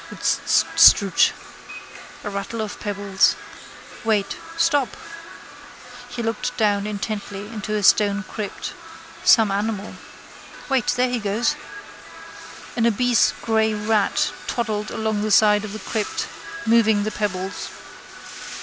Rtststr! A rattle of pebbles. Wait. Stop! He looked down intently into a stone crypt. Some animal. Wait. There he goes. An obese grey rat toddled along the side of the crypt, moving the pebbles.